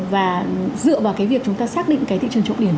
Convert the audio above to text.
và dựa vào cái việc chúng ta xác định cái thị trường trộm điểm